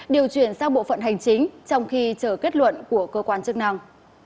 điều chuyển sang bộ phận hành chính trong khi chờ kết luận của cơ quan chức năng